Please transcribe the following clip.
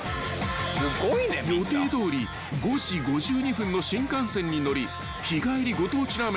［予定どおり５時５２分の新幹線に乗り日帰りご当地ラーメン